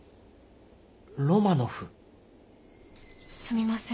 すみません。